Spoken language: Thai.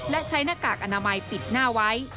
และใช้หน้ากากอนามัยปิดหน้าไว้